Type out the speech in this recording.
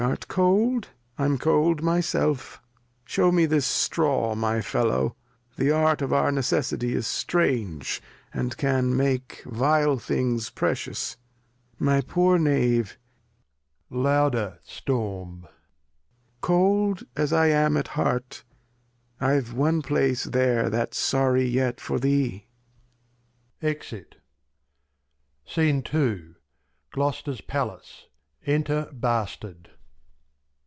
Art cold ? I'm cold my Self ; shew this Straw, my Fellow, The Art of our Necessity is strange, And can make vile Things precious ; my poor Knave, Cold as I am at Heart, I've one Place there [Loud. Storm. That's sorry yet for Thee. [Exit. Gloster's Palace. Enter Bastard.